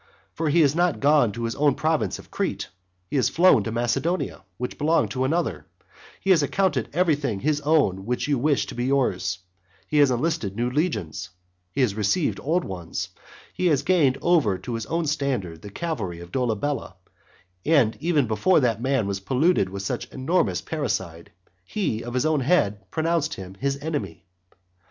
For he is not gone to his own province of Crete, he has flown to Macedonia, which belonged to another, he has accounted everything his own which you have wished to be yours, he has enlisted new legions, he has received old ones, he has gained over to his own standard the cavalry of Dolabella, and even before that man was polluted with such enormous parricide, he, of his own head, pronounced him his enemy.